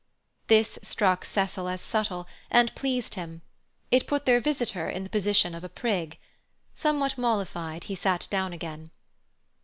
This struck Cecil as subtle, and pleased him. It put their visitor in the position of a prig. Somewhat mollified, he sat down again.